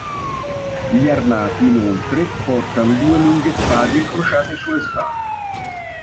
Gli armati inoltre portano due lunghe spade incrociate sulle spalle.